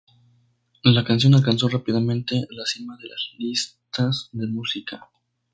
La canción alcanzó rápidamente la cima de las listas de música.